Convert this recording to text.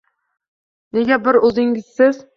- Nega bir o'zingizsiz?